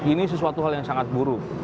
ini sesuatu hal yang tidak boleh diungkapkan